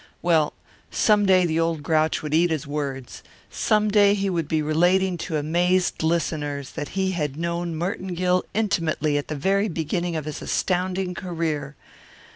Well, some day the old grouch would eat his words; some day he would be relating to amazed listeners that he had known Merton Gill intimately at the very beginning of his astounding career.